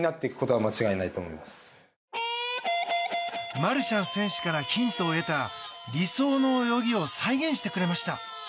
マルシャン選手からヒントを得た理想の泳ぎを再現してくれました。